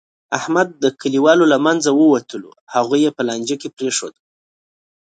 احمد د کلیوالو له منځه ووتلو، هغوی په لانجه کې پرېښودل.